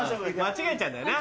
間違えちゃうんだよな。